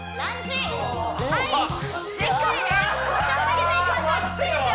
しっかり腰を下げていきましょうきついですよ